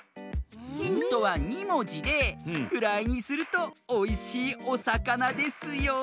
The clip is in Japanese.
ヒントは２もじでフライにするとおいしいおさかなですよ。